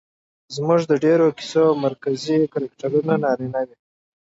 زموږ د ډېرو کيسو مرکزي کرکټرونه نارينه وي